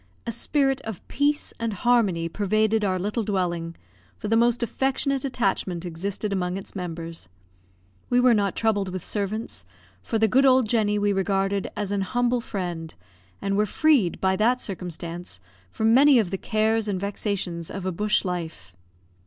A spirit of peace and harmony pervaded our little dwelling, for the most affectionate attachment existed among its members. We were not troubled with servants, for the good old Jenny we regarded as an humble friend, and were freed, by that circumstance, from many of the cares and vexations of a bush life.